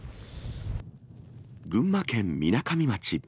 群馬県みなかみ町。